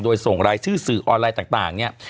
โดยส่งรายชื่อสื่อออนไลน์ต่างเนี่ย